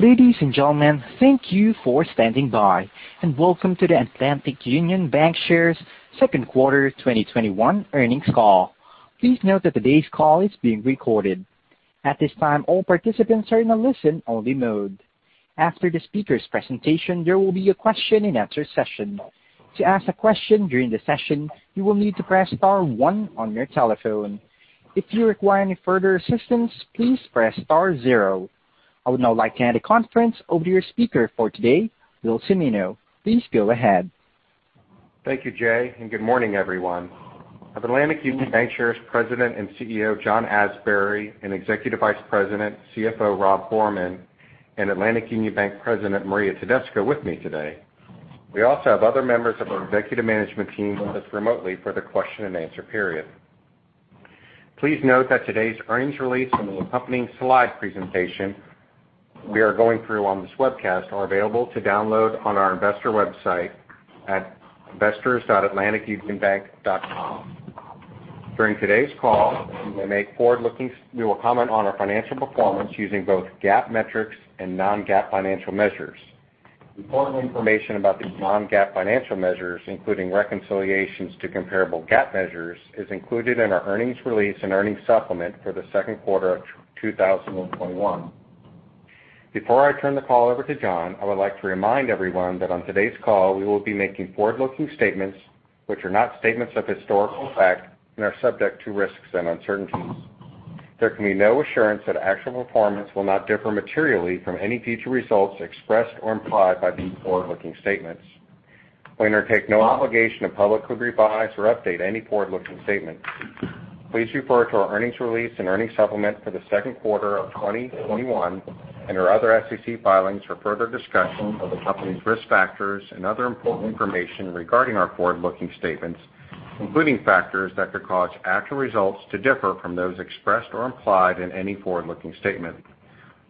Ladies and gentlemen, thank you for standing by, and welcome to the Atlantic Union Bankshares second quarter 2021 earnings call. Please note that today's call is being recorded. At this time, all participants are in a listen-only mode. After the speaker's presentation, there will be a question and answer session. To ask a question during the session, you will need to press star one on your telephone. If you require any further assistance, please press star zero. I would now like to hand the conference over to your speaker for today, Bill Cimino. Please go ahead. Thank you, Jay, and good morning, everyone. I have Atlantic Union Bankshares President and CEO John Asbury, and Executive Vice President CFO Rob Gorman, and Atlantic Union Bank President Maria Tedesco with me today. We also have other members of our executive management team with us remotely for the question and answer period. Please note that today's earnings release and the accompanying slide presentation we are going through on this webcast are available to download on our investor website at investors.atlanticunionbank.com. During today's call, we will comment on our financial performance using both GAAP metrics and non-GAAP financial measures. Important information about these non-GAAP financial measures, including reconciliations to comparable GAAP measures, is included in our earnings release and earnings supplement for the second quarter of 2021. Before I turn the call over to John, I would like to remind everyone that on today's call, we will be making forward-looking statements which are not statements of historical fact and are subject to risks and uncertainties. There can be no assurance that actual performance will not differ materially from any future results expressed or implied by these forward-looking statements. We undertake no obligation to publicly revise or update any forward-looking statements. Please refer to our earnings release and earnings supplement for the second quarter of 2021 and our other SEC filings for further discussion of the company's risk factors and other important information regarding our forward-looking statements, including factors that could cause actual results to differ from those expressed or implied in any forward-looking statement.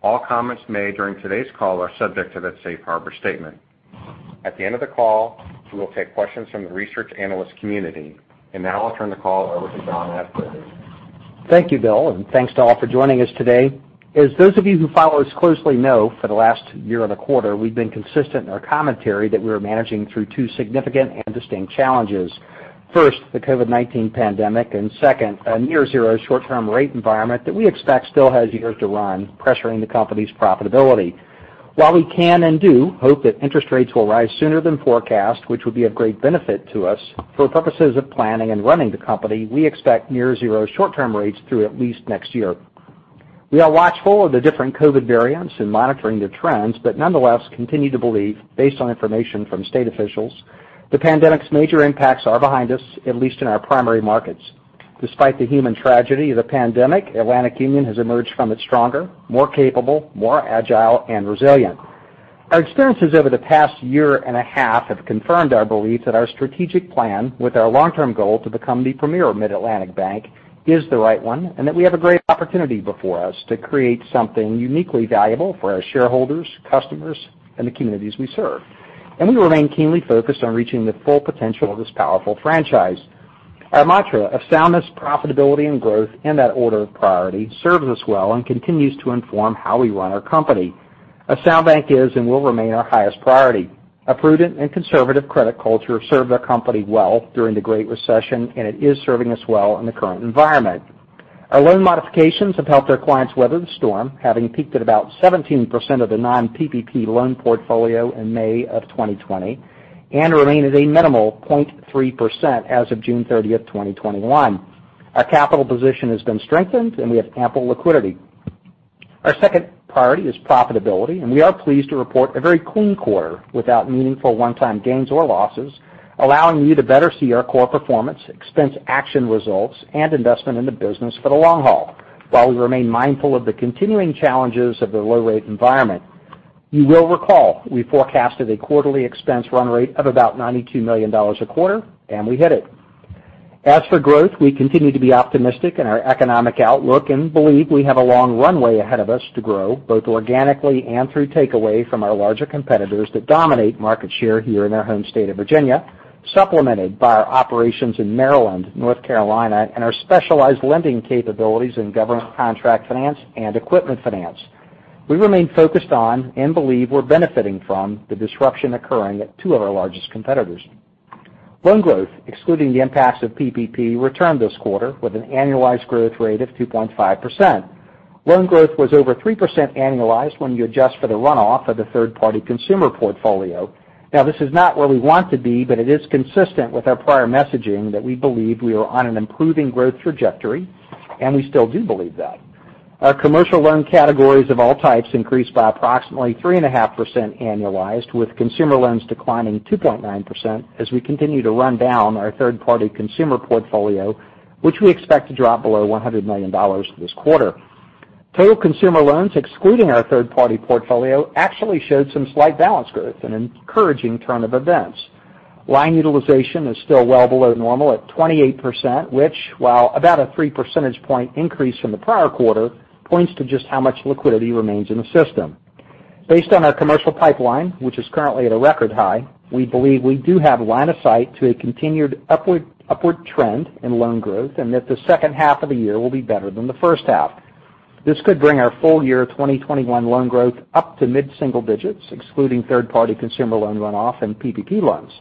All comments made during today's call are subject to that safe harbor statement. At the end of the call, we will take questions from the research analyst community. Now I'll turn the call over to John Asbury. Thank you, Bill, and thanks to all for joining us today. As those of you who follow us closely know, for the last year and a quarter, we've been consistent in our commentary that we are managing through two significant and distinct challenges. First, the COVID-19 pandemic, and second, a near zero short-term rate environment that we expect still has years to run, pressuring the company's profitability. While we can and do hope that interest rates will rise sooner than forecast, which would be of great benefit to us, for purposes of planning and running the company, we expect near zero short-term rates through at least next year. We are watchful of the different COVID variants and monitoring their trends, but nonetheless continue to believe, based on information from state officials, the pandemic's major impacts are behind us, at least in our primary markets. Despite the human tragedy of the pandemic, Atlantic Union has emerged from it stronger, more capable, more agile, and resilient. Our experiences over the past year and a half have confirmed our belief that our strategic plan with our long-term goal to become the premier Mid-Atlantic bank is the right one, and that we have a great opportunity before us to create something uniquely valuable for our shareholders, customers, and the communities we serve. We remain keenly focused on reaching the full potential of this powerful franchise. Our mantra of soundness, profitability, and growth in that order of priority serves us well and continues to inform how we run our company. A sound bank is and will remain our highest priority. A prudent and conservative credit culture served our company well during the Great Recession, and it is serving us well in the current environment. Our loan modifications have helped our clients weather the storm, having peaked at about 17% of the non-PPP loan portfolio in May of 2020 and remain at a minimal 0.3% as of June 30th, 2021. Our capital position has been strengthened. We have ample liquidity. We are pleased to report a very clean quarter without meaningful one-time gains or losses, allowing you to better see our core performance, expense action results, and investment in the business for the long haul. While we remain mindful of the continuing challenges of the low-rate environment. You will recall, we forecasted a quarterly expense run rate of about $92 million a quarter, and we hit it. As for growth, we continue to be optimistic in our economic outlook and believe we have a long runway ahead of us to grow, both organically and through takeaway from our larger competitors that dominate market share here in our home state of Virginia, supplemented by our operations in Maryland, North Carolina, and our specialized lending capabilities in government contract finance and equipment finance. We remain focused on and believe we're benefiting from the disruption occurring at two of our largest competitors. Loan growth, excluding the impacts of PPP, returned this quarter with an annualized growth rate of 2.5%. Loan growth was over 3% annualized when you adjust for the runoff of the third-party consumer portfolio. Now, this is not where we want to be, but it is consistent with our prior messaging that we believe we are on an improving growth trajectory, and we still do believe that. Our commercial loan categories of all types increased by approximately 3.5% annualized, with consumer loans declining 2.9% as we continue to run down our third-party consumer portfolio, which we expect to drop below $100 million this quarter. Total consumer loans, excluding our third-party portfolio, actually showed some slight balance growth, an encouraging turn of events. Line utilization is still well below normal at 28%, which, while about a three percentage point increase from the prior quarter, points to just how much liquidity remains in the system. Based on our commercial pipeline, which is currently at a record high, we believe we do have line of sight to a continued upward trend in loan growth, and that the second half of the year will be better than the first half. This could bring our full-year 2021 loan growth up to mid-single digits, excluding third-party consumer loan runoff and PPP loans.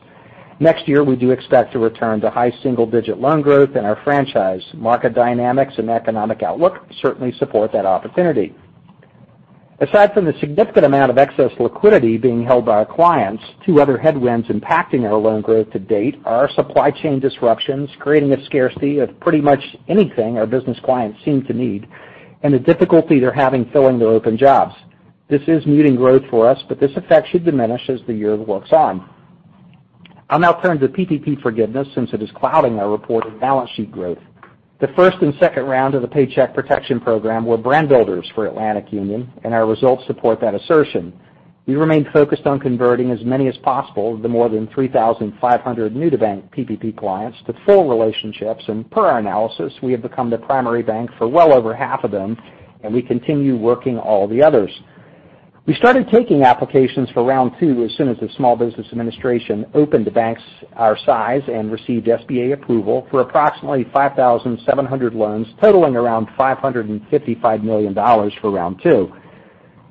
Next year, we do expect to return to high single-digit loan growth in our franchise. Market dynamics and economic outlook certainly support that opportunity. Aside from the significant amount of excess liquidity being held by our clients, two other headwinds impacting our loan growth to date are supply chain disruptions creating a scarcity of pretty much anything our business clients seem to need, and the difficulty they're having filling their open jobs. This is muting growth for us, but this effect should diminish as the year works on. I'll now turn to PPP forgiveness since it is clouding our reported balance sheet growth. The first and second round of the Paycheck Protection Program were brand builders for Atlantic Union, and our results support that assertion. We remain focused on converting as many as possible the more than 3,500 new-to-bank PPP clients to full relationships. Per our analysis, we have become the primary bank for well over half of them, and we continue working all the others. We started taking applications for round two as soon as the Small Business Administration opened to banks our size and received SBA approval for approximately 5,700 loans totaling around $555 million for round two.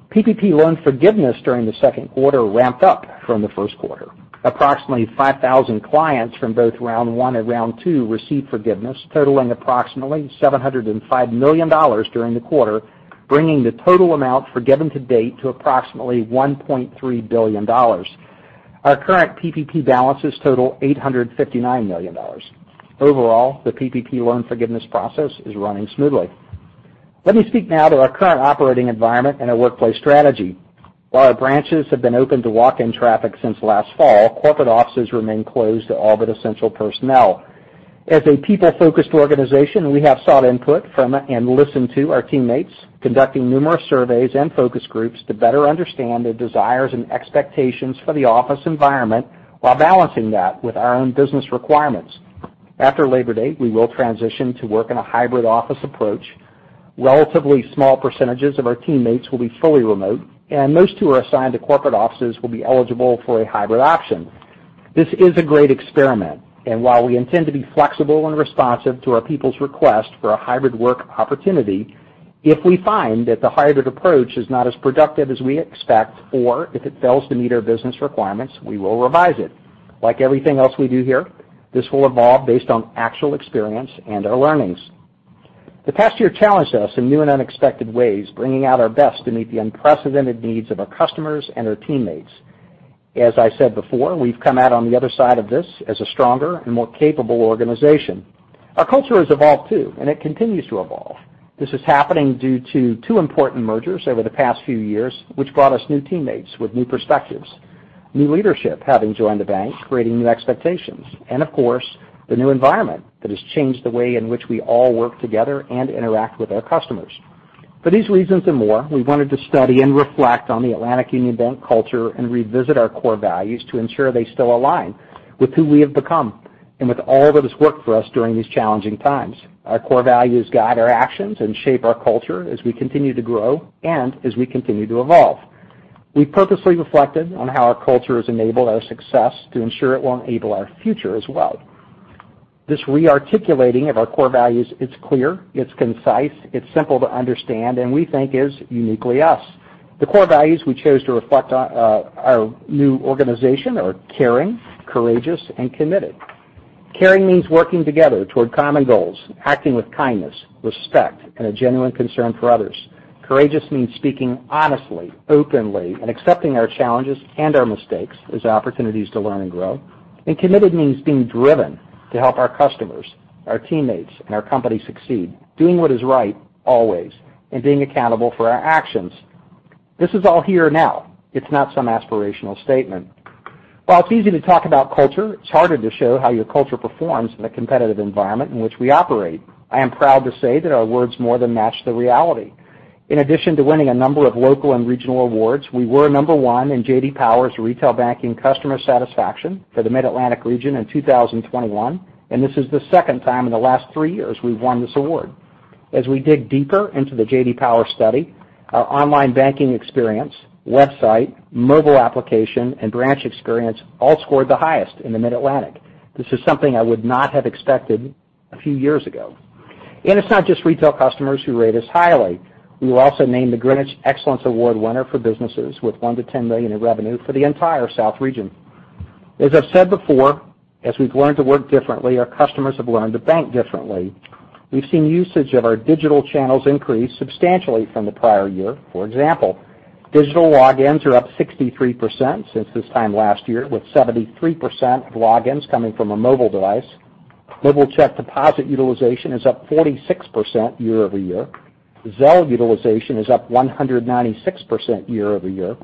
PPP loan forgiveness during the second quarter ramped up from the first quarter. Approximately 5,000 clients from both round one and round two received forgiveness totaling approximately $705 million during the quarter, bringing the total amount forgiven to date to approximately $1.3 billion. Our current PPP balances total $859 million. Overall, the PPP loan forgiveness process is running smoothly. Let me speak now to our current operating environment and our workplace strategy. While our branches have been open to walk-in traffic since last fall, corporate offices remain closed to all but essential personnel. As a people-focused organization, we have sought input from and listened to our teammates, conducting numerous surveys and focus groups to better understand their desires and expectations for the office environment while balancing that with our own business requirements. After Labor Day, we will transition to work in a hybrid office approach. Relatively small percentages of our teammates will be fully remote, and those who are assigned to corporate offices will be eligible for a hybrid option. While we intend to be flexible and responsive to our people's request for a hybrid work opportunity, if we find that the hybrid approach is not as productive as we expect, or if it fails to meet our business requirements, we will revise it. Like everything else we do here, this will evolve based on actual experience and our learnings. The past year challenged us in new and unexpected ways, bringing out our best to meet the unprecedented needs of our customers and our teammates. As I said before, we've come out on the other side of this as a stronger and more capable organization. Our culture has evolved too, and it continues to evolve. This is happening due to two important mergers over the past few years, which brought us new teammates with new perspectives, new leadership having joined the bank, creating new expectations, and of course, the new environment that has changed the way in which we all work together and interact with our customers. For these reasons and more, we wanted to study and reflect on the Atlantic Union Bank culture and revisit our core values to ensure they still align with who we have become and with all that has worked for us during these challenging times. Our core values guide our actions and shape our culture as we continue to grow and as we continue to evolve. We purposely reflected on how our culture has enabled our success to ensure it will enable our future as well. This re-articulating of our core values, it's clear, it's concise, it's simple to understand, and we think is uniquely us. The core values we chose to reflect our new organization are caring, courageous, and committed. Caring means working together toward common goals, acting with kindness, respect, and a genuine concern for others. Courageous means speaking honestly, openly, and accepting our challenges and our mistakes as opportunities to learn and grow. Committed means being driven to help our customers, our teammates, and our company succeed, doing what is right always, and being accountable for our actions. This is all here now. It's not some aspirational statement. While it's easy to talk about culture, it's harder to show how your culture performs in the competitive environment in which we operate. I am proud to say that our words more than match the reality. In addition to winning a number of local and regional awards, we were number one in J.D. Power's Retail Banking Customer Satisfaction for the Mid-Atlantic region in 2021, and this is the second time in the last three years we've won this award. As we dig deeper into the J.D. Power study, our online banking experience, website, mobile application, and branch experience all scored the highest in the Mid-Atlantic. This is something I would not have expected a few years ago. It's not just retail customers who rate us highly. We were also named the Greenwich Excellence Award winner for businesses with $1 million-$10 million in revenue for the entire South region. As I've said before, as we've learned to work differently, our customers have learned to bank differently. We've seen usage of our digital channels increase substantially from the prior year. For example, digital logins are up 63% since this time last year, with 73% of logins coming from a mobile device. Mobile check deposit utilization is up 46% year-over-year. Zelle utilization is up 196% year-over-year,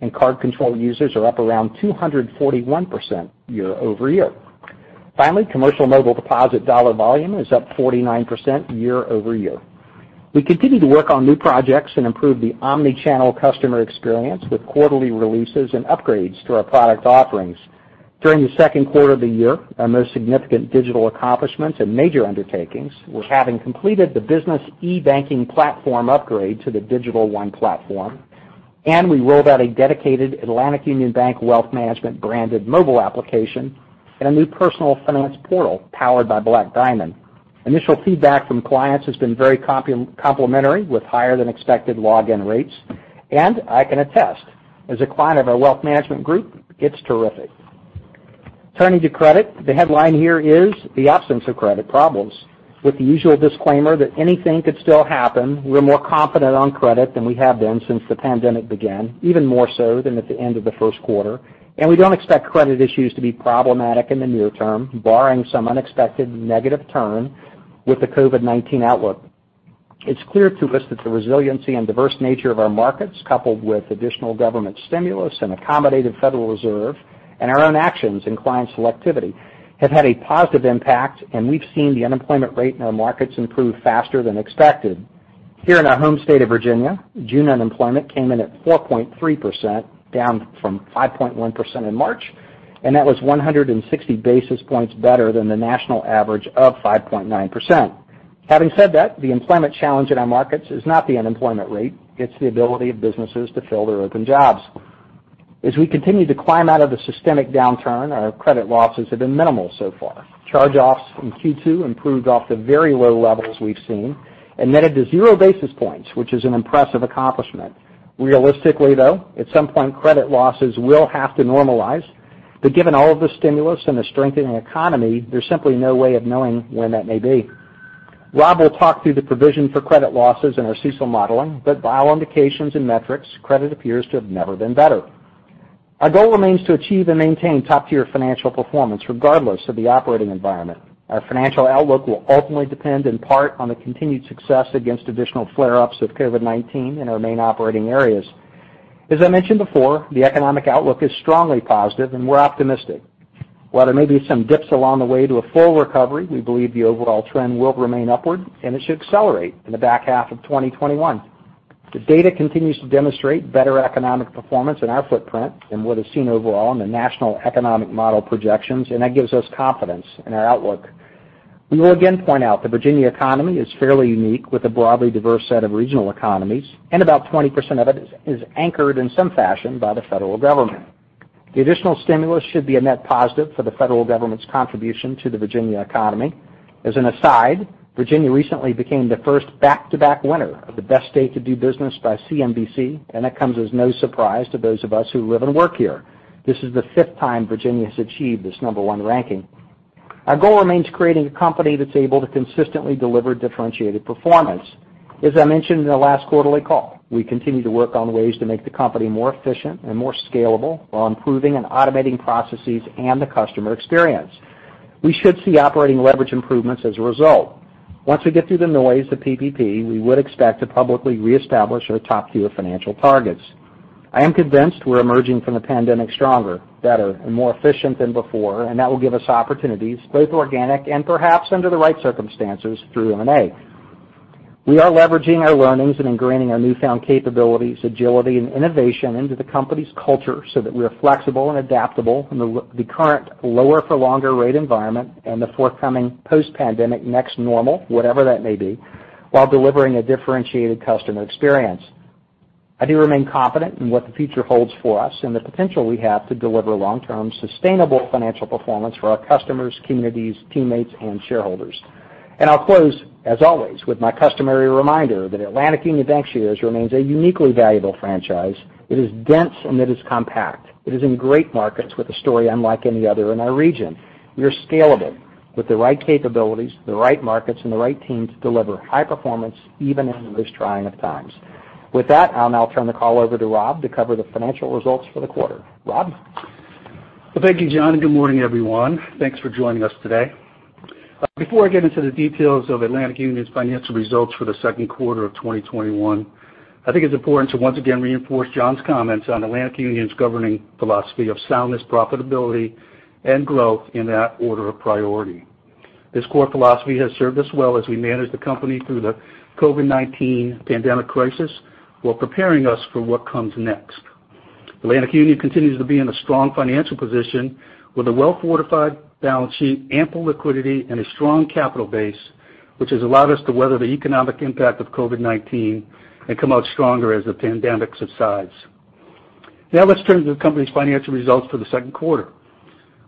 and card control users are up around 241% year-over-year. Finally, commercial mobile deposit dollar volume is up 49% year-over-year. We continue to work on new projects and improve the omnichannel customer experience with quarterly releases and upgrades to our product offerings. During the second quarter of the year, our most significant digital accomplishments and major undertakings was having completed the business e-banking platform upgrade to the Digital One platform, and we rolled out a dedicated Atlantic Union Bank wealth management branded mobile application and a new personal finance portal powered by Black Diamond. Initial feedback from clients has been very complimentary, with higher than expected login rates. I can attest, as a client of our wealth management group, it's terrific. Turning to credit, the headline here is the absence of credit problems. With the usual disclaimer that anything could still happen, we're more confident on credit than we have been since the pandemic began, even more so than at the end of the first quarter, and we don't expect credit issues to be problematic in the near term, barring some unexpected negative turn with the COVID-19 outlook. It's clear to us that the resiliency and diverse nature of our markets, coupled with additional government stimulus, an accommodative Federal Reserve, and our own actions in client selectivity, have had a positive impact, and we've seen the unemployment rate in our markets improve faster than expected. Here in our home state of Virginia, June unemployment came in at 4.3%, down from 5.1% in March, and that was 160 basis points better than the national average of 5.9%. Having said that, the employment challenge in our markets is not the unemployment rate. It's the ability of businesses to fill their open jobs. As we continue to climb out of the systemic downturn, our credit losses have been minimal so far. Charge-offs from Q2 improved off the very low levels we've seen and netted to zero basis points, which is an impressive accomplishment. Realistically, though, at some point, credit losses will have to normalize. Given all of the stimulus and a strengthening economy, there's simply no way of knowing when that may be. Rob will talk through the provision for credit losses in our CECL modeling, but by all indications and metrics, credit appears to have never been better. Our goal remains to achieve and maintain top-tier financial performance regardless of the operating environment. Our financial outlook will ultimately depend in part on the continued success against additional flare-ups of COVID-19 in our main operating areas. As I mentioned before, the economic outlook is strongly positive, and we're optimistic. While there may be some dips along the way to a full recovery, we believe the overall trend will remain upward, and it should accelerate in the back half of 2021. The data continues to demonstrate better economic performance in our footprint than what is seen overall in the national economic model projections, and that gives us confidence in our outlook. We will again point out the Virginia economy is fairly unique, with a broadly diverse set of regional economies, and about 20% of it is anchored in some fashion by the federal government. The additional stimulus should be a net positive for the federal government's contribution to the Virginia economy. As an aside, Virginia recently became the first back-to-back winner of the Best State to Do Business by CNBC, and that comes as no surprise to those of us who live and work here. This is the fifth time Virginia has achieved this number one ranking. Our goal remains creating a company that's able to consistently deliver differentiated performance. As I mentioned in the last quarterly call, we continue to work on ways to make the company more efficient and more scalable while improving and automating processes and the customer experience. We should see operating leverage improvements as a result. Once we get through the noise of PPP, we would expect to publicly reestablish our top tier financial targets. I am convinced we're emerging from the pandemic stronger, better, and more efficient than before, and that will give us opportunities, both organic and perhaps, under the right circumstances, through M&A. We are leveraging our learnings and ingraining our newfound capabilities, agility, and innovation into the company's culture so that we are flexible and adaptable in the current lower-for-longer rate environment and the forthcoming post-pandemic next normal, whatever that may be, while delivering a differentiated customer experience. I do remain confident in what the future holds for us and the potential we have to deliver long-term, sustainable financial performance for our customers, communities, teammates, and shareholders. I'll close, as always, with my customary reminder that Atlantic Union Bankshares remains a uniquely valuable franchise. It is dense, and it is compact. It is in great markets with a story unlike any other in our region. We are scalable with the right capabilities, the right markets, and the right teams to deliver high performance even in the most trying of times. With that, I'll now turn the call over to Rob to cover the financial results for the quarter. Rob? Well, thank you, John, and good morning, everyone. Thanks for joining us today. Before I get into the details of Atlantic Union's financial results for the second quarter of 2021, I think it's important to once again reinforce John's comments on Atlantic Union's governing philosophy of soundness, profitability, and growth in that order of priority. This core philosophy has served us well as we manage the company through the COVID-19 pandemic crisis while preparing us for what comes next. Atlantic Union continues to be in a strong financial position with a well-fortified balance sheet, ample liquidity, and a strong capital base, which has allowed us to weather the economic impact of COVID-19 and come out stronger as the pandemic subsides. Now let's turn to the company's financial results for the second quarter.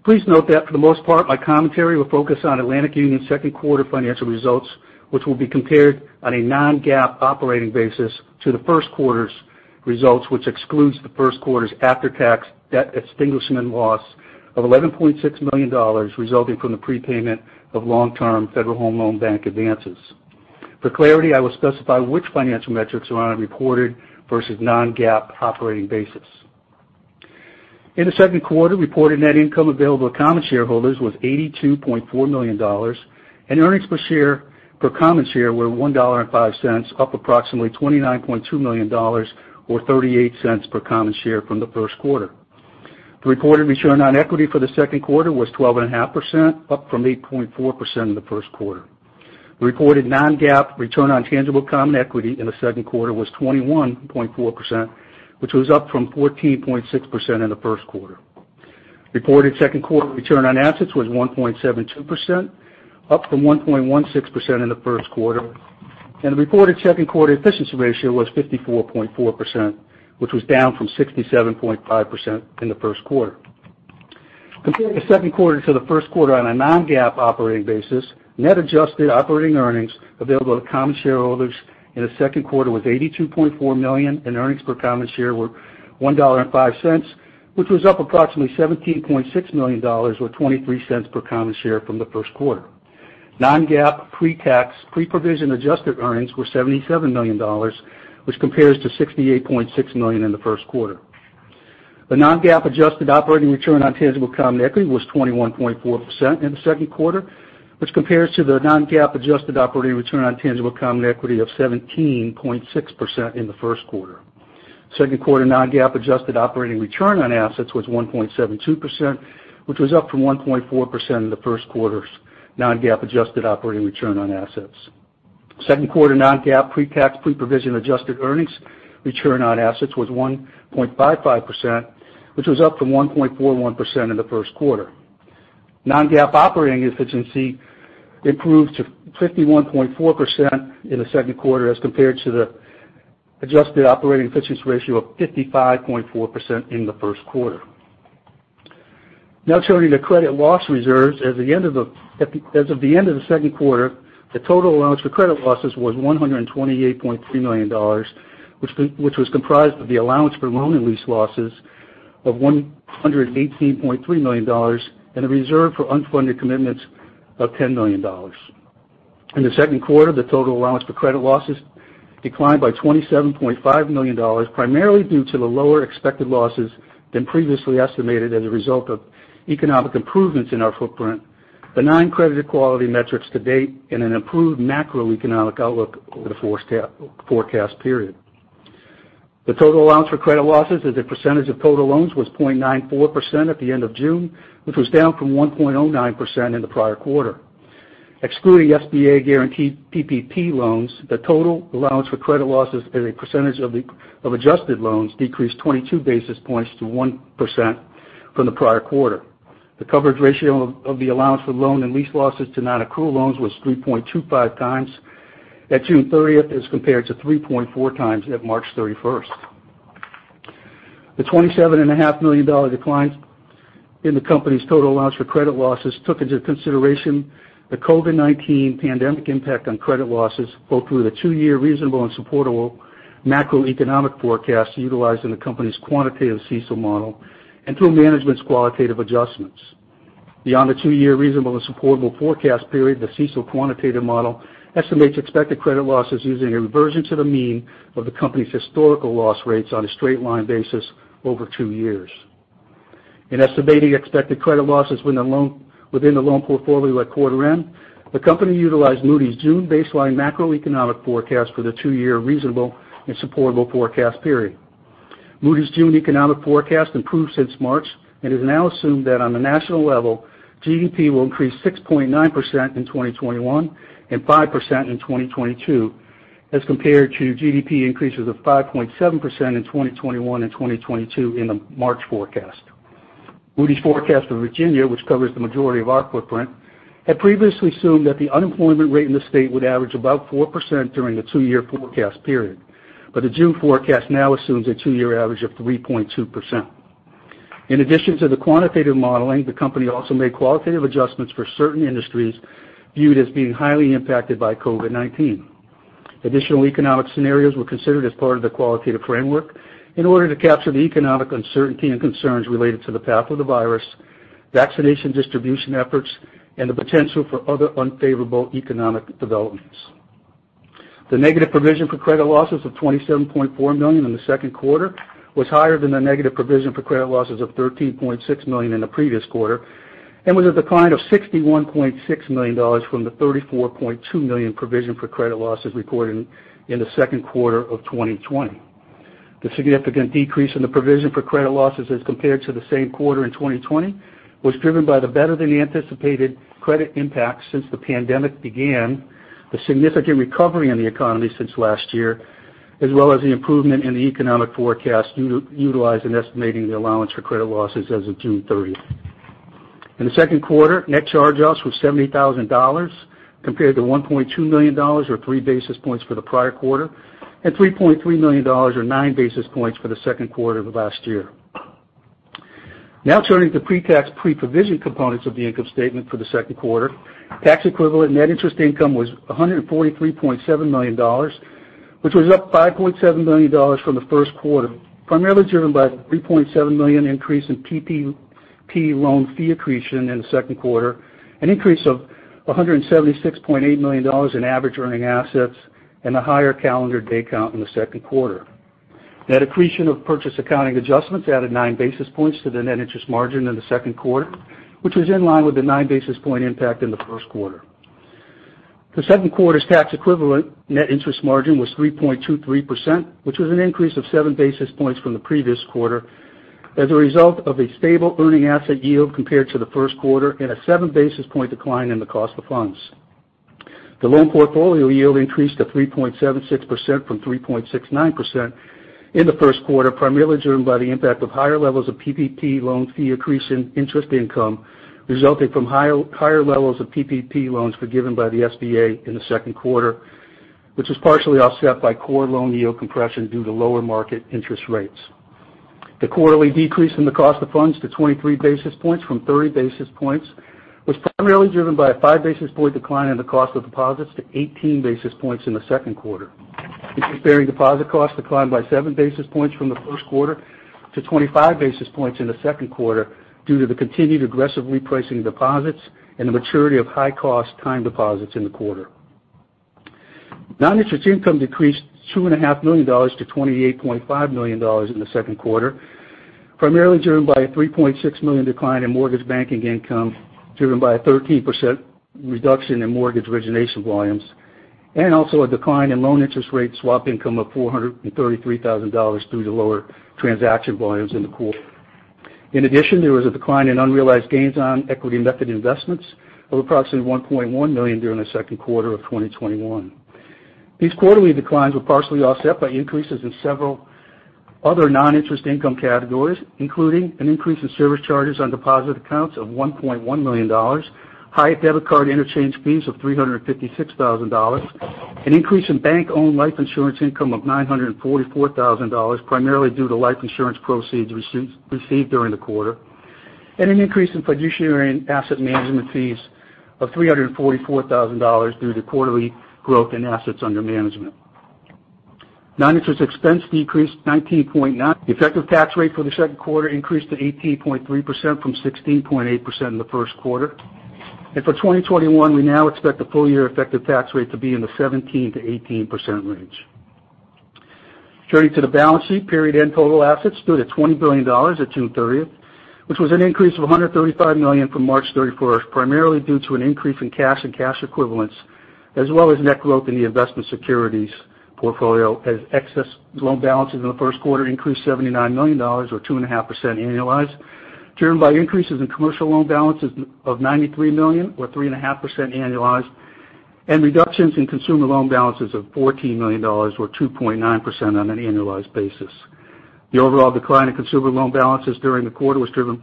Please note that for the most part, my commentary will focus on Atlantic Union's second quarter financial results, which will be compared on a non-GAAP operating basis to the first quarter's results, which excludes the first quarter's after-tax debt extinguishment loss of $11.6 million resulting from the prepayment of long-term Federal Home Loan Bank advances. For clarity, I will specify which financial metrics are on a reported versus non-GAAP operating basis. In the second quarter, reported net income available to common shareholders was $82.4 million, and earnings per common share were $1.05, up approximately $29.2 million, or $0.38 per common share from the first quarter. The reported return on equity for the second quarter was 12.5%, up from 8.4% in the first quarter. The reported non-GAAP return on tangible common equity in the second quarter was 21.4%, which was up from 14.6% in the first quarter. Reported second quarter return on assets was 1.72%, up from 1.16% in the first quarter, and the reported second quarter efficiency ratio was 54.4%, which was down from 67.5% in the first quarter. Comparing the second quarter to the first quarter on a non-GAAP operating basis, net adjusted operating earnings available to common shareholders in the second quarter was $82.4 million, and earnings per common share were $1.05, which was up approximately $17.6 million, or $0.23 per common share from the first quarter. Non-GAAP pre-tax, pre-provision adjusted earnings were $77 million, which compares to $68.6 million in the first quarter. The non-GAAP adjusted operating return on tangible common equity was 21.4% in the second quarter, which compares to the non-GAAP adjusted operating return on tangible common equity of 17.6% in the first quarter. Second quarter non-GAAP adjusted operating return on assets was 1.72%, which was up from 1.4% in the first quarter's non-GAAP adjusted operating return on assets. Second quarter non-GAAP pre-tax, pre-provision adjusted earnings return on assets was 1.55%, which was up from 1.41% in the first quarter. Non-GAAP operating efficiency improved to 51.4% in the second quarter as compared to the adjusted operating efficiency ratio of 55.4% in the first quarter. Now turning to credit loss reserves. As of the end of the second quarter, the total allowance for credit losses was $128.3 million, which was comprised of the allowance for loan and lease losses of $118.3 million, and a reserve for unfunded commitments of $10 million. In the second quarter, the total allowance for credit losses declined by $27.5 million, primarily due to the lower expected losses than previously estimated as a result of economic improvements in our footprint, benign credit quality metrics to date, and an improved macroeconomic outlook over the forecast period. The total allowance for credit losses as a percentage of total loans was 0.94% at the end of June, which was down from 1.09% in the prior quarter. Excluding SBA-guaranteed PPP loans, the total allowance for credit losses as a percentage of adjusted loans decreased 22 basis points to 1% from the prior quarter. The coverage ratio of the allowance for loan and lease losses to non-accrual loans was 3.25 times at June 30th, as compared to 3.4 times at March 31st. The $27.5 million decline in the company's total allowance for credit losses took into consideration the COVID-19 pandemic impact on credit losses, both through the two-year reasonable and supportable macroeconomic forecast utilized in the company's quantitative CECL model and through management's qualitative adjustments. Beyond the two-year reasonable and supportable forecast period, the CECL quantitative model estimates expected credit losses using a reversion to the mean of the company's historical loss rates on a straight line basis over two years. In estimating expected credit losses within the loan portfolio at quarter end, the company utilized Moody's June baseline macroeconomic forecast for the two-year reasonable and supportable forecast period. Moody's June economic forecast improved since March and has now assumed that on a national level, GDP will increase 6.9% in 2021 and 5% in 2022, as compared to GDP increases of 5.7% in 2021 and 2022 in the March forecast. Moody's forecast for Virginia, which covers the majority of our footprint, had previously assumed that the unemployment rate in the state would average about 4% during the two-year forecast period. The June forecast now assumes a two-year average of 3.2%. In addition to the quantitative modeling, the company also made qualitative adjustments for certain industries viewed as being highly impacted by COVID-19. Additional economic scenarios were considered as part of the qualitative framework in order to capture the economic uncertainty and concerns related to the path of the virus, vaccination distribution efforts, and the potential for other unfavorable economic developments. The negative provision for credit losses of $27.4 million in the second quarter was higher than the negative provision for credit losses of $13.6 million in the previous quarter and was a decline of $61.6 million from the $34.2 million provision for credit losses recorded in the second quarter of 2020. The significant decrease in the provision for credit losses as compared to the same quarter in 2020 was driven by the better-than-anticipated credit impact since the pandemic began, the significant recovery in the economy since last year, as well as the improvement in the economic forecast utilized in estimating the allowance for credit losses as of June 30th. In the second quarter, net charge-offs was $70,000, compared to $1.2 million or three basis points for the prior quarter, and $3.3 million or nine basis points for the second quarter of last year. Now turning to pre-tax, pre-provision components of the income statement for the second quarter. Tax-equivalent net interest income was $143.7 million, which was up $5.7 million from the first quarter, primarily driven by a $3.7 million increase in PPP loan fee accretion in the second quarter, an increase of $176.8 million in average earning assets, and a higher calendar day count in the second quarter. Net accretion of purchase accounting adjustments added nine basis points to the net interest margin in the second quarter, which was in line with the nine basis point impact in the first quarter. The second quarter's tax-equivalent net interest margin was 3.23%, which was an increase of seven basis points from the previous quarter as a result of a stable earning asset yield compared to the first quarter and a seven basis point decline in the cost of funds. The loan portfolio yield increased to 3.76% from 3.69% in the first quarter, primarily driven by the impact of higher levels of PPP loan fee accrues in interest income, resulting from higher levels of PPP loans forgiven by the SBA in the second quarter, which was partially offset by core loan yield compression due to lower market interest rates. The quarterly decrease in the cost of funds to 23 basis points from 30 basis points was primarily driven by a five basis point decline in the cost of deposits to 18 basis points in the second quarter. Interest-bearing deposit costs declined by seven basis points from the first quarter to 25 basis points in the second quarter due to the continued aggressive repricing of deposits and the maturity of high-cost time deposits in the quarter. Non-interest income decreased $2.5 million to $28.5 million in the second quarter, primarily driven by a $3.6 million decline in mortgage banking income, driven by a 13% reduction in mortgage origination volumes, and also a decline in loan interest rate swap income of $433,000 due to lower transaction volumes in the quarter. There was a decline in unrealized gains on equity method investments of approximately $1.1 million during the second quarter of 2021. These quarterly declines were partially offset by increases in several other non-interest income categories, including an increase in service charges on deposit accounts of $1.1 million, higher debit card interchange fees of $356,000, an increase in bank-owned life insurance income of $944,000, primarily due to life insurance proceeds received during the quarter, and an increase in fiduciary and asset management fees of $344,000 due to quarterly growth in assets under management. Non-interest expense decreased 19.9. The effective tax rate for the second quarter increased to 18.3% from 16.8% in the first quarter. For 2021, we now expect the full-year effective tax rate to be in the 17%-18% range. Turning to the balance sheet, period-end total assets stood at $20 billion at June 30th, which was an increase of $135 million from March 31st, primarily due to an increase in cash and cash equivalents, as well as net growth in the investment securities portfolio as excess loan balances in the first quarter increased $79 million, or 2.5% annualized, driven by increases in commercial loan balances of $93 million, or 3.5% annualized, and reductions in consumer loan balances of $14 million, or 2.9% on an annualized basis. The overall decline in consumer loan balances during the quarter was driven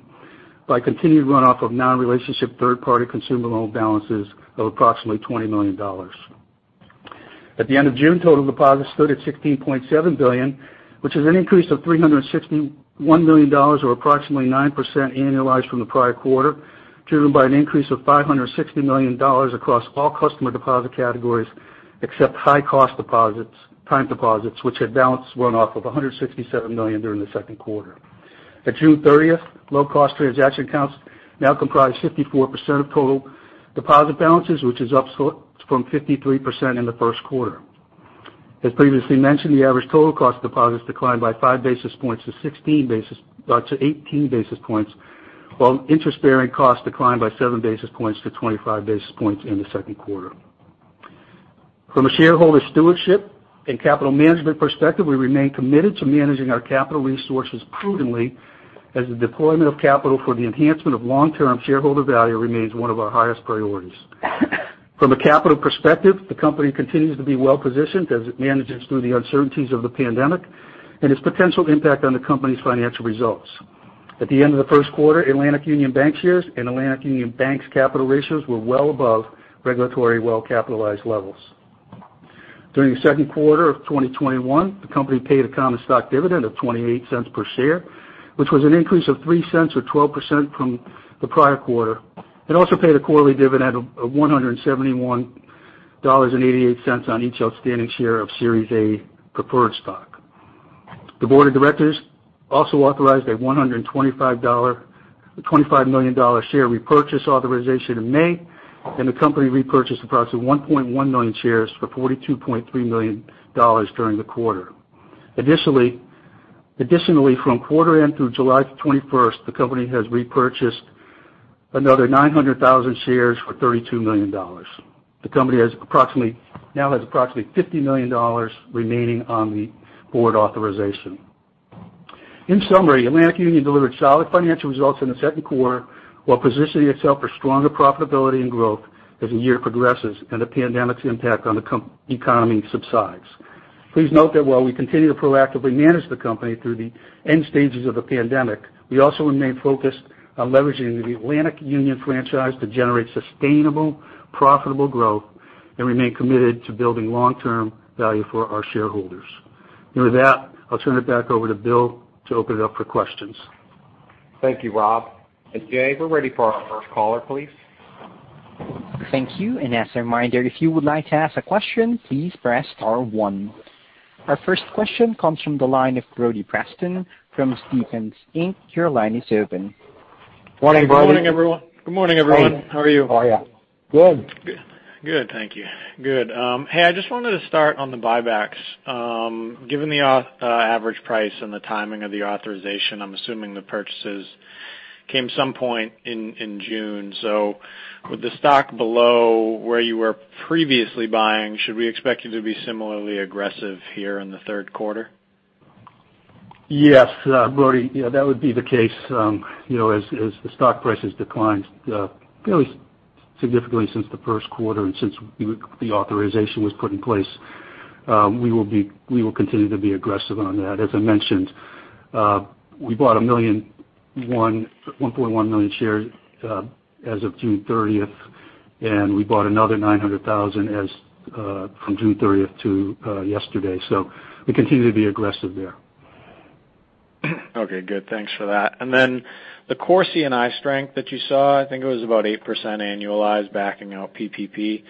by continued runoff of non-relationship third-party consumer loan balances of approximately $20 million. At the end of June, total deposits stood at $16.7 billion, which is an increase of $361 million, or approximately 9% annualized from the prior quarter, driven by an increase of $560 million across all customer deposit categories, except high-cost time deposits, which had balance run off of $167 million during the second quarter. At June 30th, low-cost transaction accounts now comprise 54% of total deposit balances, which is up from 53% in the first quarter. As previously mentioned, the average total cost of deposits declined by five basis points to 18 basis points, while interest-bearing costs declined by seven basis points to 25 basis points in the second quarter. From a shareholder stewardship and capital management perspective, we remain committed to managing our capital resources prudently as the deployment of capital for the enhancement of long-term shareholder value remains one of our highest priorities. From a capital perspective, the company continues to be well-positioned as it manages through the uncertainties of the pandemic and its potential impact on the company's financial results. At the end of the first quarter, Atlantic Union Bankshares and Atlantic Union Bank's capital ratios were well above regulatory well-capitalized levels. During the second quarter of 2021, the company paid a common stock dividend of $0.28 per share, which was an increase of $0.03 or 12% from the prior quarter. It also paid a quarterly dividend of $171.88 on each outstanding share of Series A preferred stock. The board of directors also authorized a $125 million share repurchase authorization in May. The company repurchased approximately 1.1 million shares for $42.3 million during the quarter. Additionally, from quarter end through July 21st, the company has repurchased another 900,000 shares for $32 million. The company now has approximately $50 million remaining on the board authorization. In summary, Atlantic Union delivered solid financial results in the second quarter while positioning itself for stronger profitability and growth as the year progresses and the pandemic's impact on the economy subsides. Please note that while we continue to proactively manage the company through the end stages of the pandemic, we also remain focused on leveraging the Atlantic Union franchise to generate sustainable, profitable growth and remain committed to building long-term value for our shareholders. With that, I'll turn it back over to Bill to open it up for questions. Thank you, Rob. Jay, we're ready for our first caller, please. Thank you. As a reminder, if you would like to ask a question, please press star one. Our first question comes from the line of Brody Preston from Stephens, Inc. Your line is open. Morning, Brody. Good morning, everyone. How are you? How are you? Good. Good, thank you. Good. Hey, I just wanted to start on the buybacks. Given the average price and the timing of the authorization, I'm assuming the purchases came some point in June. With the stock below where you were previously buying, should we expect you to be similarly aggressive here in the third quarter? Yes, Brody. That would be the case. As the stock price has declined fairly significantly since the first quarter and since the authorization was put in place. We will continue to be aggressive on that. As I mentioned, we bought 1.1 million shares as of June 30, and we bought another 900,000 from June 30th to yesterday. We continue to be aggressive there. Okay, good. Thanks for that. The core C&I strength that you saw, I think it was about 8% annualized backing out PPP.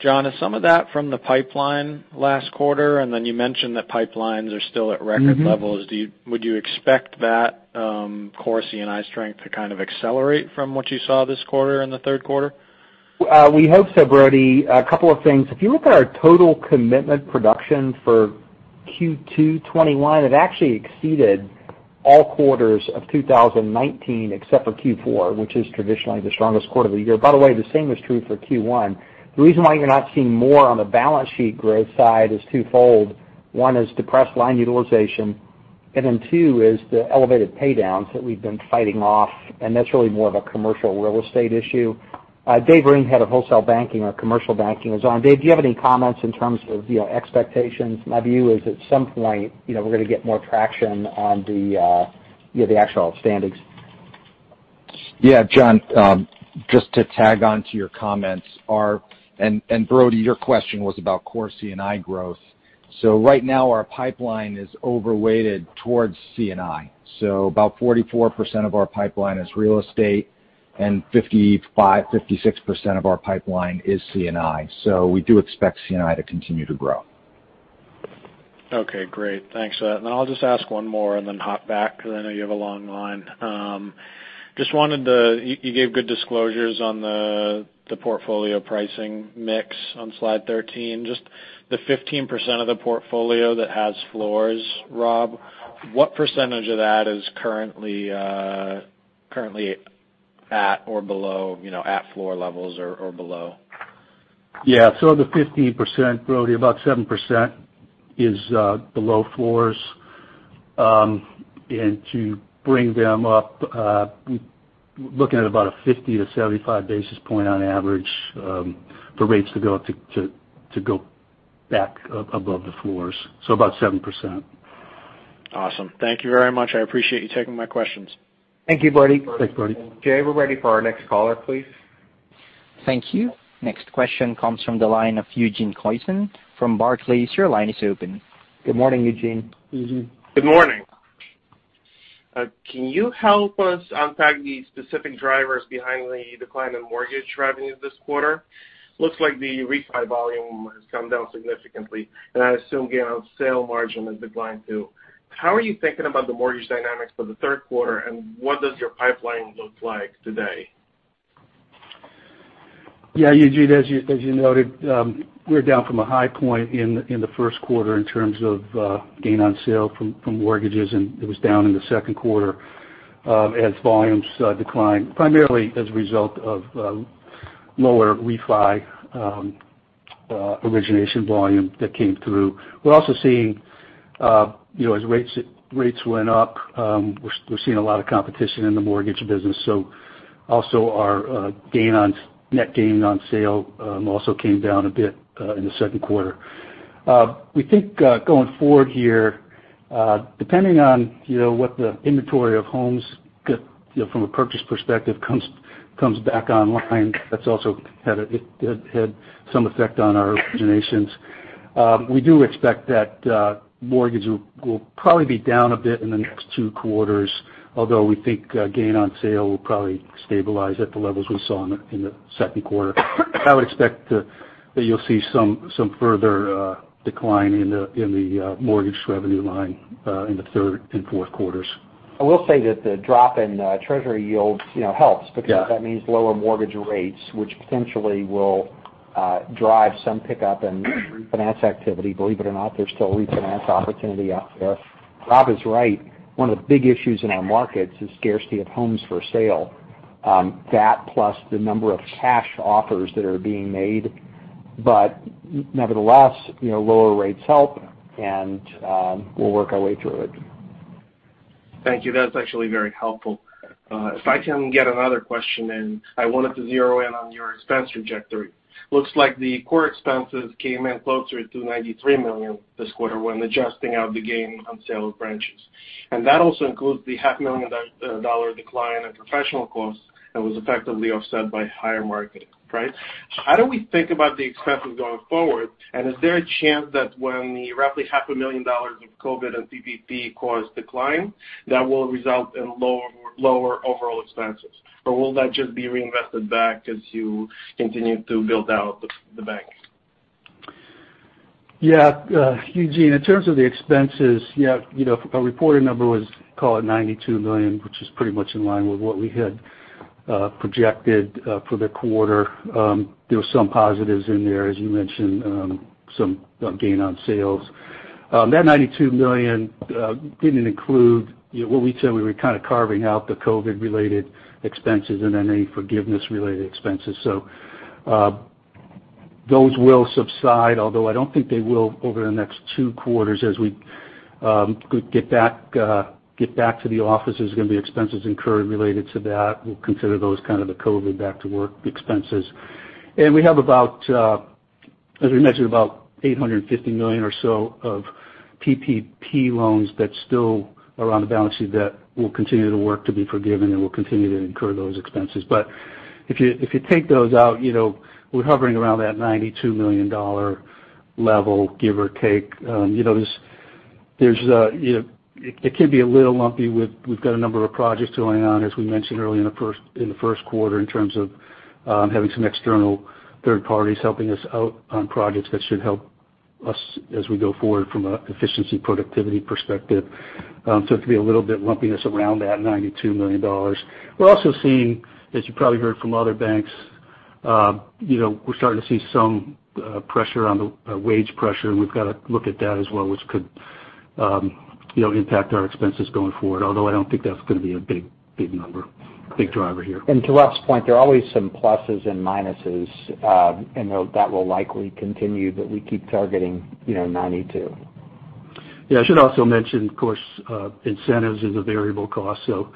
John, is some of that from the pipeline last quarter? You mentioned that pipelines are still at record levels. Would you expect that core C&I strength to kind of accelerate from what you saw this quarter in the third quarter? We hope so, Brody. A couple of things. If you look at our total commitment production for Q2 2021, it actually exceeded all quarters of 2019, except for Q4, which is traditionally the strongest quarter of the year. By the way, the same is true for Q1. The reason why you're not seeing more on the balance sheet growth side is twofold. One is depressed line utilization, and then two is the elevated pay-downs that we've been fighting off. That's really more of a commercial real estate issue. Dave Ring, head of wholesale banking, our commercial banking is on. Dave, do you have any comments in terms of expectations? My view is at some point we're going to get more traction on the actual outstandings. Yeah, John, just to tag onto your comments are and Brody, your question was about core C&I growth. Right now our pipeline is overweighted towards C&I. About 44% of our pipeline is real estate and 56% of our pipeline is C&I. We do expect C&I to continue to grow. Okay, great. Thanks. I'll just ask one more and then hop back because I know you have a long line. You gave good disclosures on the portfolio pricing mix on slide 13, just the 15% of the portfolio that has floors, Rob, what percentage of that is currently at or below floor levels or below? Yeah. The 15%, Brody, about 7% is below floors. To bring them up, looking at about a 50-75 basis point on average for rates to go back above the floors. About 7%. Awesome. Thank you very much. I appreciate you taking my questions. Thank you, Brody. Thanks, Brody. Jay, we're ready for our next caller, please. Thank you. Next question comes from the line of Eugene Koysman from Barclays. Your line is open. Good morning, Eugene. Morning Eugene. Good morning. Can you help us unpack the specific drivers behind the decline in mortgage revenues this quarter? Looks like the refi volume has come down significantly, and I assume gain on sale margin has declined, too. How are you thinking about the mortgage dynamics for the third quarter, and what does your pipeline look like today? Yeah, Eugene, as you noted, we're down from a high point in the first quarter in terms of gain on sale from mortgages, and it was down in the second quarter as volumes declined, primarily as a result of lower refi origination volume that came through. We're also seeing as rates went up, we're seeing a lot of competition in the mortgage business. Also our net gain on sale also came down a bit in the second quarter. We think going forward here, depending on what the inventory of homes from a purchase perspective comes back online, that's also had some effect on our originations. We do expect that mortgage will probably be down a bit in the next two quarters, although we think gain on sale will probably stabilize at the levels we saw in the second quarter. I would expect that you'll see some further decline in the mortgage revenue line in the third and fourth quarters. I will say that the drop in Treasury yields helps because that means lower mortgage rates, which potentially will drive some pickup in refinance activity. Believe it or not, there's still refinance opportunity out there. Rob Gorman is right. One of the big issues in our markets is scarcity of homes for sale. That plus the number of cash offers that are being made. Nevertheless, lower rates help, and we'll work our way through it. Thank you. That's actually very helpful. If I can get another question in, I wanted to zero in on your expense trajectory. Looks like the core expenses came in closer to $93 million this quarter when adjusting out the gain on sale of branches. That also includes the half million dollar decline in professional costs that was effectively offset by higher marketing. Right? How do we think about the expenses going forward? Is there a chance that when roughly half a million dollars from COVID and PPP cost declined, that will result in lower overall expenses? Will that just be reinvested back as you continue to build out the bank? Yeah. Eugene, in terms of the expenses, our reporting number was, call it $92 million, which is pretty much in line with what we had projected for the quarter. There were some positives in there, as you mentioned, some gain on sales. That $92 million didn't include what we'd say we were kind of carving out the COVID-related expenses and any forgiveness-related expenses. Those will subside, although I don't think they will over the next two quarters as we get back to the office. There's going to be expenses incurred related to that. We'll consider those kind of the COVID back-to-work expenses. We have about, as we mentioned, about $850 million or so of PPP loans that still are on the balance sheet that we'll continue to work to be forgiven, and we'll continue to incur those expenses. If you take those out, we're hovering around that $92 million level, give or take. It could be a little lumpy. We've got a number of projects going on, as we mentioned earlier, in the first quarter in terms of having some external third parties helping us out on projects that should help us as we go forward from an efficiency, productivity perspective. It could be a little bit lumpiness around that $92 million. We're also seeing, as you probably heard from other banks, we're starting to see some wage pressure, and we've got to look at that as well, which could impact our expenses going forward. Although I don't think that's going to be a big number, big driver here. To Rob's point, there are always some pluses and minuses, and that will likely continue, but we keep targeting $92 million. Yeah, I should also mention, of course, incentives is a variable cost, so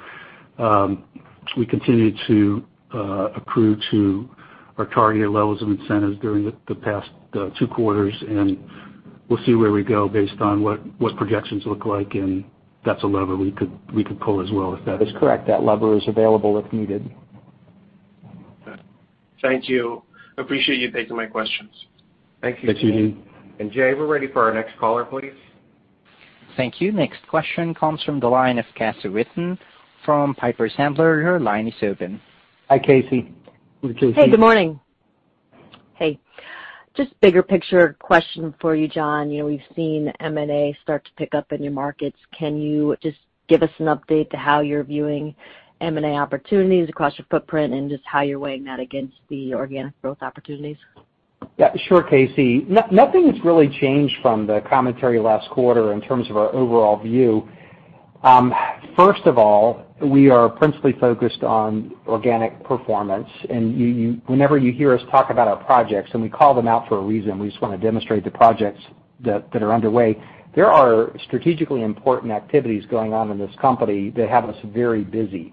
we continue to accrue to our targeted levels of incentives during the past two quarters, and we'll see where we go based on what projections look like, and that's a lever we could pull as well. That's correct. That lever is available if needed. Okay. Thank you. Appreciate you taking my questions. Thank you. Thanks, Eugene. Jay, we're ready for our next caller, please. Thank you. Next question comes from the line of Casey Whitman from Piper Sandler. Your line is open. Hi, Casey. Hey, Casey. Hey, good morning. Hey, just bigger picture question for you, John. We've seen M&A start to pick up in your markets. Can you just give us an update to how you're viewing M&A opportunities across your footprint and just how you're weighing that against the organic growth opportunities? Yeah, sure, Casey. Nothing's really changed from the commentary last quarter in terms of our overall view. First of all, we are principally focused on organic performance. Whenever you hear us talk about our projects, and we call them out for a reason, we just want to demonstrate the projects that are underway. There are strategically important activities going on in this company that have us very busy.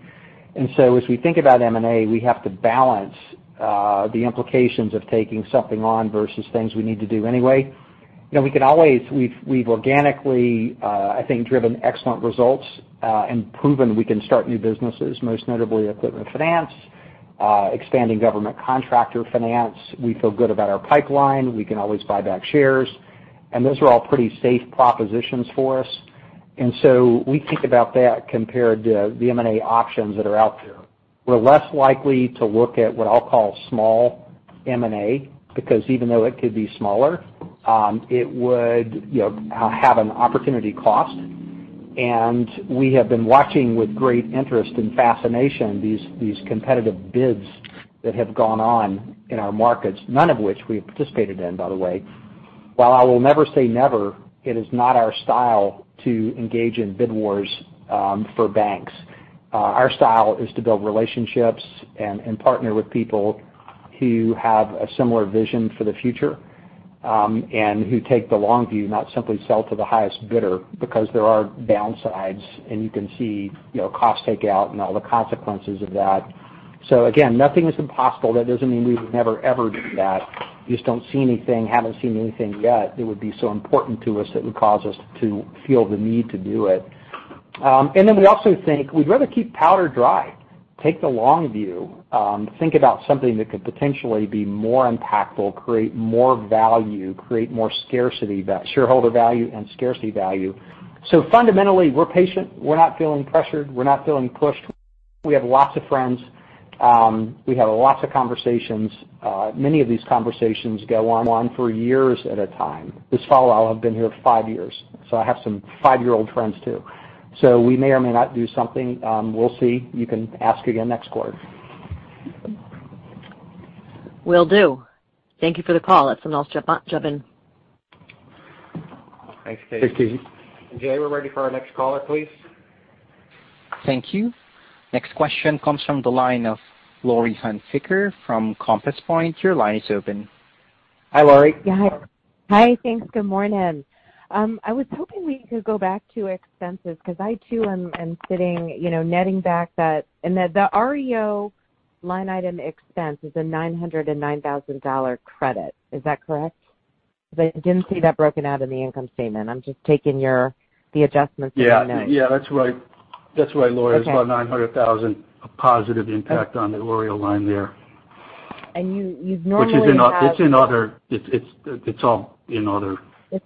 As we think about M&A, we have to balance the implications of taking something on versus things we need to do anyway. We've organically, I think, driven excellent results and proven we can start new businesses, most notably equipment finance, expanding government contractor finance. We feel good about our pipeline. We can always buy back shares. Those are all pretty safe propositions for us. We think about that compared to the M&A options that are out there. We're less likely to look at what I'll call small M&A because even though it could be smaller, it would have an opportunity cost. We have been watching with great interest and fascination these competitive bids that have gone on in our markets, none of which we have participated in, by the way. While I will never say never, it is not our style to engage in bid wars for banks. Our style is to build relationships and partner with people who have a similar vision for the future, and who take the long view, not simply sell to the highest bidder because there are downsides, and you can see cost takeout and all the consequences of that. Again, nothing is impossible. That doesn't mean we would never, ever do that. We just don't see anything, haven't seen anything yet that would be so important to us that would cause us to feel the need to do it. We also think we'd rather keep powder dry, take the long view, think about something that could potentially be more impactful, create more value, create more shareholder value, and scarcity value. Fundamentally, we're patient. We're not feeling pressured. We're not feeling pushed. We have lots of friends. We have lots of conversations. Many of these conversations go on for years at a time. This fellow, I'll have been here for five years, so I have some five-year-old friends, too. We may or may not do something. We'll see. You can ask again next quarter. Will do. Thank you for the call. That's when I'll jump in. Thanks, Casey. Thanks, Casey. Jay, we're ready for our next caller, please. Thank you. Next question comes from the line of Laurie Hunsicker from Compass Point. Your line is open. Hi, Laurie. Hi. Thanks. Good morning. I was hoping we could go back to expenses because I, too, am sitting netting back and that the REO line item expense is a $909,000 credit. Is that correct? I didn't see that broken out in the income statement. Yeah. That's right, Laurie. Okay. There's about $900,000 of positive impact on the REO line there. You've normally have- It's all in other. Right.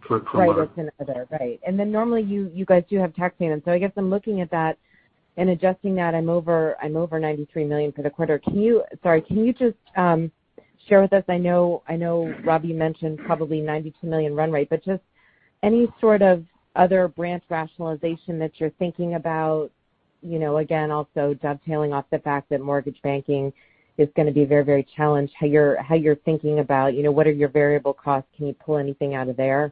It's in other, right. Normally, you guys do have tax payments. I guess I'm looking at that and adjusting that, I'm over $93 million for the quarter. Sorry, can you share with us. I know Rob mentioned probably $92 million run rate, just any sort of other branch rationalization that you're thinking about, again, also dovetailing off the fact that mortgage banking is going to be very challenged. How you're thinking about what are your variable costs? Can you pull anything out of there?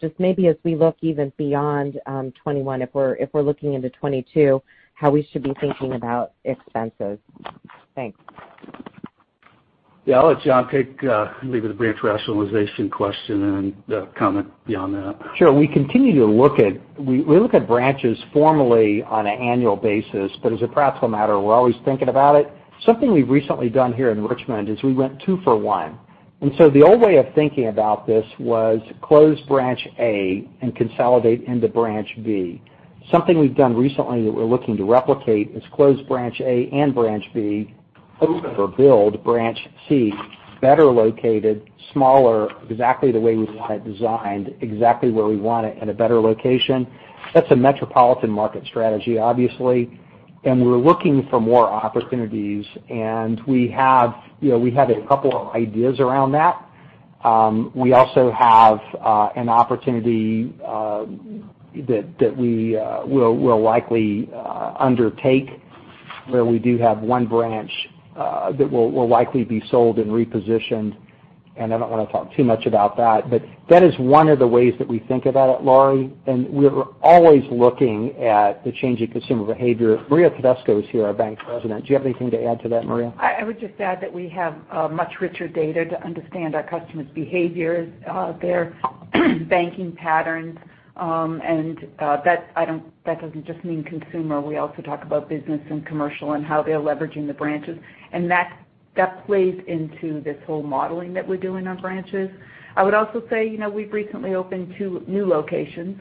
Just maybe as we look even beyond 2021, if we're looking into 2022, how we should be thinking about expenses? Thanks. Yeah. I'll let John leave the branch rationalization question and comment beyond that. Sure. We look at branches formally on an annual basis, but as a practical matter, we're always thinking about it. Something we've recently done here in Richmond is we went two for one. The old way of thinking about this was close branch A and consolidate into branch B. Something we've done recently that we're looking to replicate is close branch A and branch B, open or build branch C, better located, smaller, exactly the way we want it designed, exactly where we want it in a better location. That's a metropolitan market strategy, obviously. We're looking for more opportunities, and we have a couple of ideas around that. We also have an opportunity that we'll likely undertake where we do have one branch that will likely be sold and repositioned. I don't want to talk too much about that, but that is one of the ways that we think about it, Laurie, and we're always looking at the change in consumer behavior. Maria Tedesco is here, our Bank President. Do you have anything to add to that, Maria? I would just add that we have much richer data to understand our customers' behaviors, their banking patterns. That doesn't just mean consumer. We also talk about business and commercial and how they're leveraging the branches. That plays into this whole modeling that we do in our branches. I would also say, we've recently opened two new locations.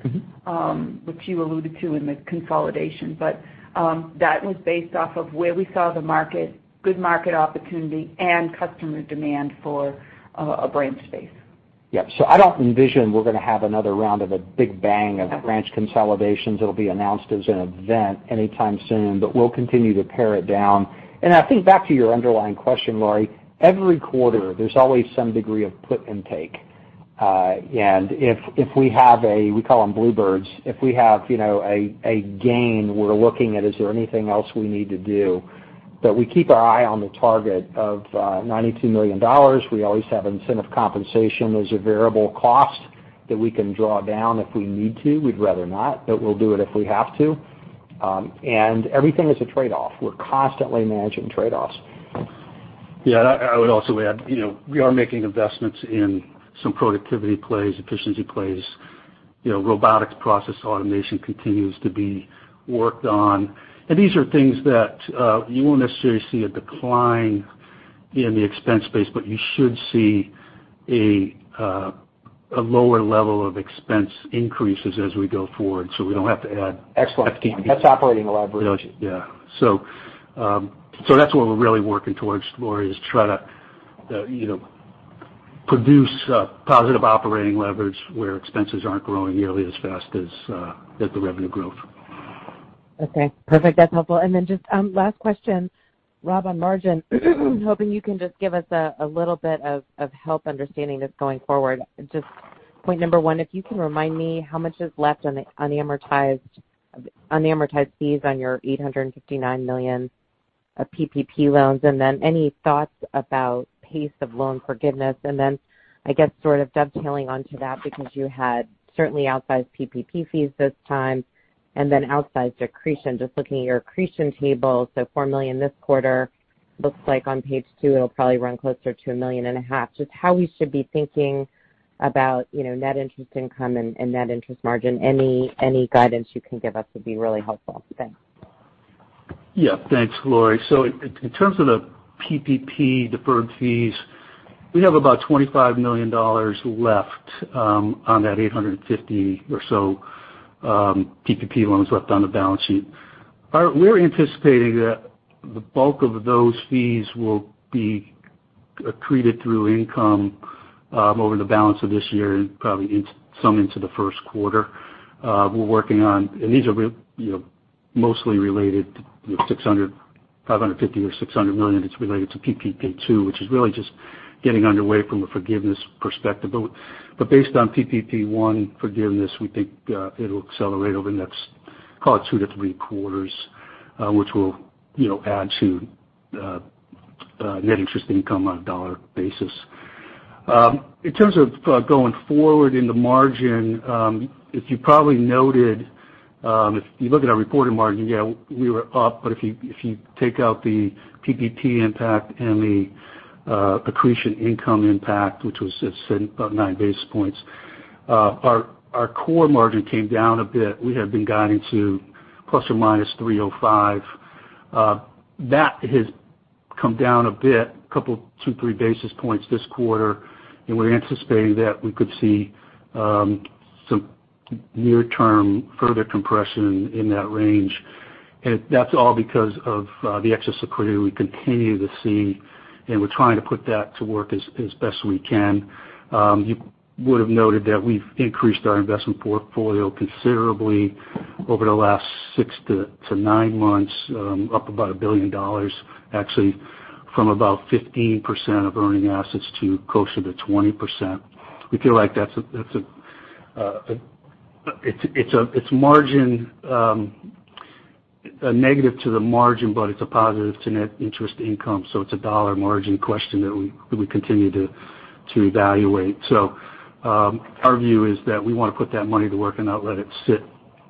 which you alluded to in the consolidation. That was based off of where we saw the market, good market opportunity, and customer demand for a branch space. Yeah. I don't envision we're going to have another round of a big bang of branch consolidations that'll be announced as an event anytime soon, but we'll continue to pare it down. I think back to your underlying question, Laurie, every quarter, there's always some degree of put and take. If we have we call them bluebirds, if we have a gain, we're looking at is there anything else we need to do? We keep our eye on the target of $92 million. We always have incentive compensation as a variable cost that we can draw down if we need to. We'd rather not, but we'll do it if we have to. Everything is a trade-off. We're constantly managing trade-offs. Yeah, I would also add we are making investments in some productivity plays, efficiency plays. Robotics process automation continues to be worked on. These are things that you won't necessarily see a decline in the expense base, but you should see a lower level of expense increases as we go forward so we don't have to. Excellent. That's operating leverage. Yeah. That's what we're really working towards, Laurie, is try to produce positive operating leverage where expenses aren't growing nearly as fast as the revenue growth. Okay, perfect. That's helpful. Just last question, Rob, on margin. Hoping you can just give us a little bit of help understanding this going forward. Just point number one, if you can remind me how much is left on the unamortized fees on your $859 million of PPP loans, and then any thoughts about pace of loan forgiveness. I guess sort of dovetailing onto that because you had certainly outsized PPP fees this time and then outsized accretion, just looking at your accretion table. $4 million this quarter looks like on page two it'll probably run closer to $1.5 million. Just how we should be thinking about net interest income and net interest margin. Any guidance you can give us would be really helpful. Thanks. Yeah. Thanks, Laurie. In terms of the PPP deferred fees, we have about $25 million left on that $850 million or so PPP loans left on the balance sheet. We're anticipating that the bulk of those fees will be accreted through income over the balance of this year and probably some into the first quarter. These are mostly related to $550 million or $600 million that's related to PPP-2, which is really just getting underway from a forgiveness perspective. Based on PPP-1 forgiveness, we think it'll accelerate over the next, call it two to three quarters, which will add to net interest income on a dollar basis. In terms of going forward in the margin, as you probably noted, if you look at our reported margin, yeah, we were up. If you take out the PPP impact and the accretion income impact, which was about nine basis points, our core margin came down a bit. We had been guiding to ±305. That has come down a bit, a couple, two, three basis points this quarter, and we're anticipating that we could see some near-term further compression in that range. That's all because of the excess liquidity we continue to see, and we're trying to put that to work as best we can. You would've noted that we've increased our investment portfolio considerably over the last six to nine months, up about a billion dollars, actually, from about 15% of earning assets to closer to 20%. We feel like it's margin a negative to the margin, but it's a positive to net interest income. It's a dollar margin question that we continue to evaluate. Our view is that we want to put that money to work and not let it sit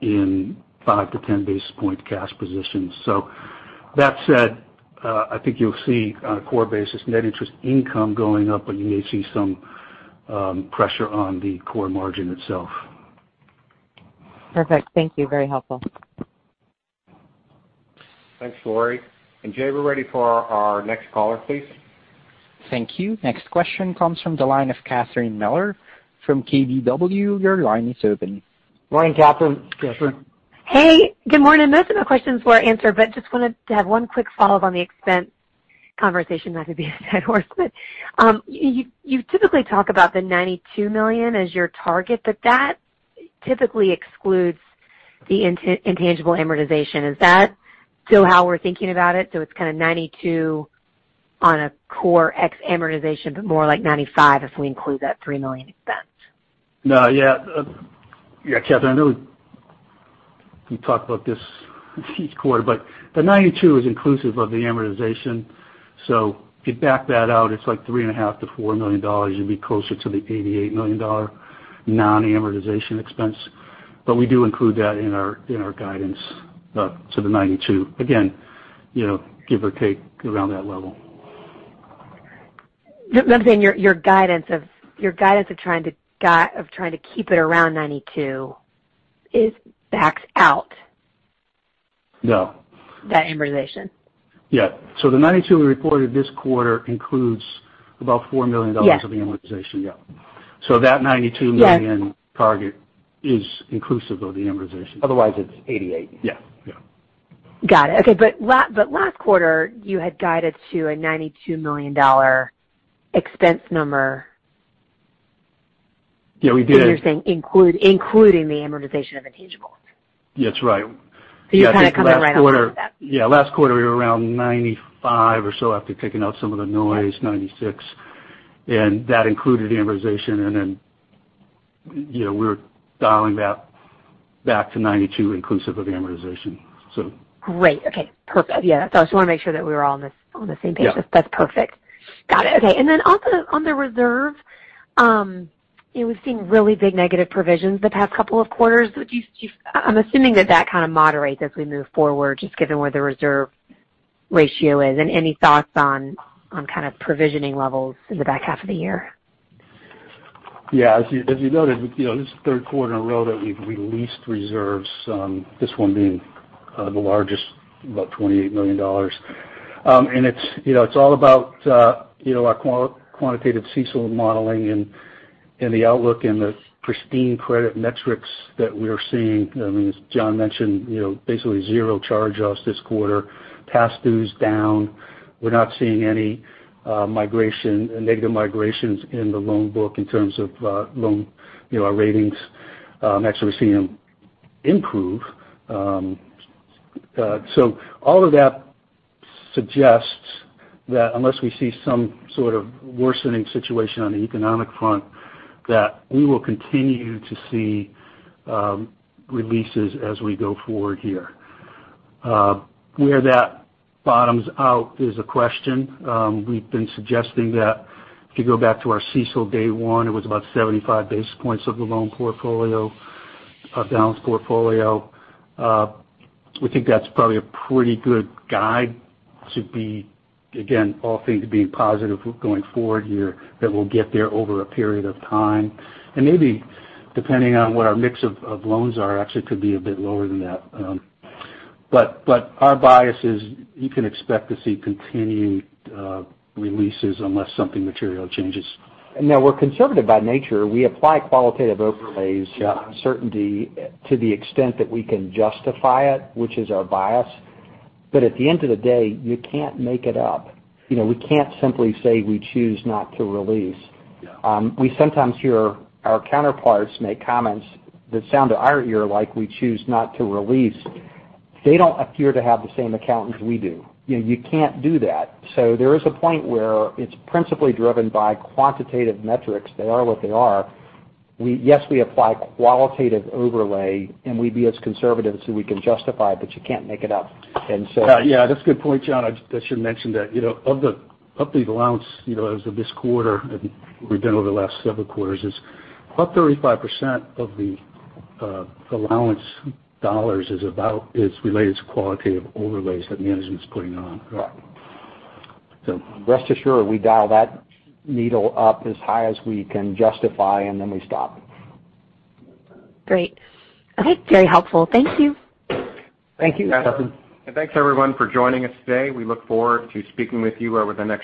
in 5-10 basis point cash positions. That said, I think you'll see on a core basis, net interest income going up, but you may see some pressure on the core margin itself. Perfect. Thank you. Very helpful. Thanks, Laurie. Jay, we're ready for our next caller, please. Thank you. Next question comes from the line of Catherine Mealor from KBW. Your line is open. Morning, Catherine. Morning Catherine. Hey, good morning. Most of my questions were answered, but just wanted to have one quick follow-up on the expense conversation, not to beat a dead horse, but you typically talk about the $92 million as your target, but that typically excludes the intangible amortization. Is that still how we're thinking about it? It's kind of $92 million on a core ex amortization, but more like $95 million if we include that $3 million expense. Yeah, Catherine, I know we talk about this each quarter, but the $92 million is inclusive of the amortization. If you back that out, it's like $3.5 million-$4 million. You'd be closer to the $88 million non-amortization expense. We do include that in our guidance to the $92 million. Again, give or take around that level. I'm saying your guidance of trying to keep it around $92 million, it backs out? No. That amortization. Yeah. The $92 million we reported this quarter includes about $4 million. Yes. Amortization, yeah. That $92 million. Yes. Target is inclusive of the amortization. Otherwise, it's $88 million. Yeah. Got it. Okay. Last quarter, you had guided to a $92 million expense number. Yeah, we did. You're saying including the amortization of intangibles? That's right. You're kind of coming right off of that. Yeah, last quarter, we were around $95 million or so after taking out some of the noise, $96 million. That included amortization, we were dialing that back to $92 million inclusive of amortization. Great. Okay, perfect. That's what I just wanted to make sure that we were all on the same page. Yeah. That's perfect. Got it, okay. On the reserve, we've seen really big negative provisions the past couple of quarters. I'm assuming that kind of moderates as we move forward, just given where the reserve ratio is. Any thoughts on kind of provisioning levels in the back half of the year? As you noted, this is the third quarter in a row that we've released reserves, this one being the largest, about $28 million. It's all about our quantitative CECL modeling and the outlook and the pristine credit metrics that we're seeing. As John mentioned, basically zero charge-offs this quarter. Past due is down. We're not seeing any negative migrations in the loan book in terms of loan ratings. Actually, we're seeing them improve. All of that suggests that unless we see some sort of worsening situation on the economic front, that we will continue to see releases as we go forward here. Where that bottoms out is a question. We've been suggesting that if you go back to our CECL day one, it was about 75 basis points of the loan portfolio, of balance portfolio. We think that's probably a pretty good guide to be, again, all things being positive going forward here, that we'll get there over a period of time. Maybe depending on what our mix of loans are, actually could be a bit lower than that. Our bias is you can expect to see continued releases unless something material changes. Now we're conservative by nature. We apply qualitative overlays. Yeah. Uncertainty to the extent that we can justify it, which is our bias. At the end of the day, you can't make it up. We can't simply say we choose not to release. Yeah. We sometimes hear our counterparts make comments that sound to our ear like we choose not to release. They don't appear to have the same accountants we do. You can't do that. There is a point where it's principally driven by quantitative metrics. They are what they are. Yes, we apply qualitative overlay, and we be as conservative as we can justify, but you can't make it up. Yeah, that's a good point, John. I should mention that. Of the allowance, as of this quarter, and we've done over the last several quarters, is about 35% of the allowance dollars is related to qualitative overlays that management's putting on. Right. Rest assured, we dial that needle up as high as we can justify, and then we stop. Great. Okay, very helpful. Thank you. Thank you. You bet. Thanks everyone for joining us today. We look forward to speaking with you over the next-